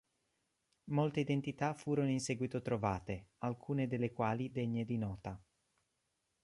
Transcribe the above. Molte identità furono in seguito trovate, alcune delle quali degne di nota.